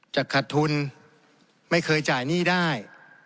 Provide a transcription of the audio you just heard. จะขัดทุนไม่เคยจ่ายหนี้ได้